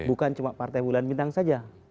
bukan cuma partai bulan bintang saja